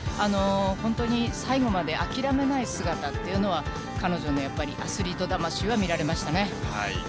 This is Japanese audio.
本当に最後まで諦めない姿というのは、彼女のやっぱり、アスリート魂は見られましたね。